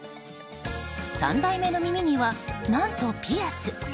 ３代目の耳には、何とピアス。